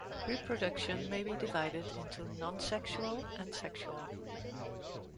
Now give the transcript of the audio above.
Reproduction may be divided into nonsexual and sexual.